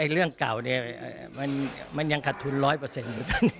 เรื่องเก่าเนี่ยมันยังขาดทุนร้อยเปอร์เซ็นต์